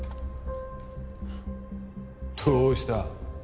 どうした？